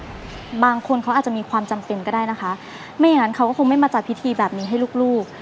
บางคนเขาอาจจะมีความจำเป็นก็ได้นะคะไม่อย่างนั้นเขาก็คงไม่มาจัดพิธีแบบนี้ให้ลูกลูก